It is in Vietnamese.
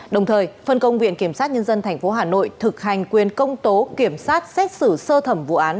đồng thời phân công viện kiểm sát nhân dân tp hcm thực hành quyền công tố kiểm sát xét xử sơ thẩm vụ án